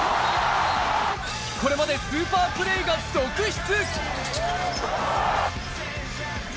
これまでスーパープレーが続出。